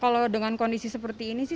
kalau dengan kondisi seperti ini sih